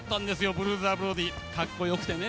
ブルーザー・ブロディかっこよくてね。